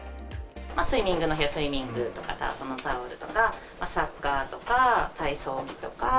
スイミングの日はスイミングのそのタオルとか、サッカーとか、体操着とか。